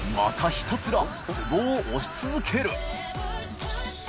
ひたすらツボを押し続ける餅田）